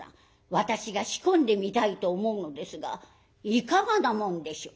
私が仕込んでみたいと思うのですがいかがなもんでしょう？」。